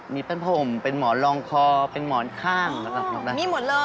มีแผ้นผ้อมเป็นหมอนรองคอเป็นหมอนข้างแล้วก็ได้ครับนอกได้ครับ